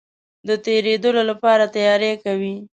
د تېرېدلو لپاره تیاری کوي.